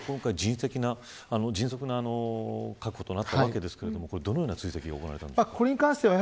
今回迅速な確保となったわけですがこれは、どのような追跡が行われたのでしょうか。